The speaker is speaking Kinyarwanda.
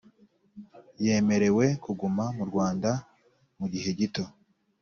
Yemerewe kuguma mu Rwanda mu gihe gito